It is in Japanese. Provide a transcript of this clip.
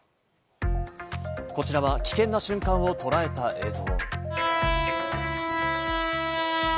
こちらは危険な瞬間を捉えた映像。